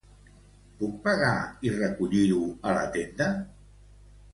Puc pagar i recollir-ho a la tenda?